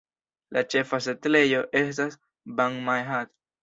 La ĉefa setlejo estas Ban Mae Hat.